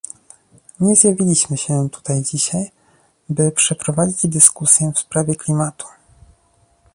Nie zjawiliśmy się tutaj dzisiaj, by przeprowadzić dyskusję w sprawie klimatu